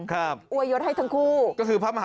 พี่บอกว่าบ้านทุกคนในที่นี่